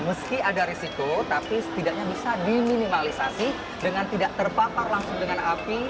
meski ada risiko tapi setidaknya bisa diminimalisasi dengan tidak terpapar langsung dengan api